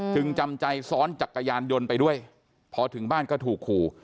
จำใจซ้อนจักรยานยนต์ไปด้วยพอถึงบ้านก็ถูกขู่